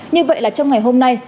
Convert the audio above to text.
như vậy là trong ngày hôm nay